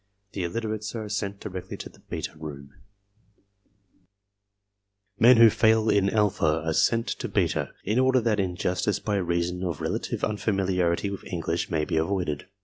The illiterates are sent directly to the beta room. METHODS AND RESULTS 19 Men who fail in alpha are sent to beta in order that injustice by reason of relative unfamiliarity with English may be avoided.